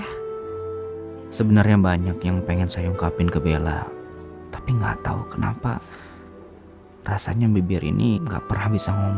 hai sebenarnya banyak yang pengen sayang kapin kebela tapi nggak tau kenapa rasanya bibir ini nggak pernah bisa ngomong